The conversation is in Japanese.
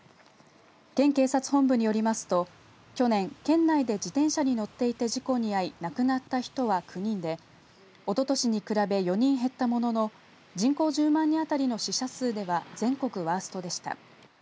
県警察本部によりますと、去年県内で自転車に乗っていて事故に遭い亡くなった人は９人でおととしに比べ４人減ったものの人口１０万人あたりの死者数では全国ワーストでした。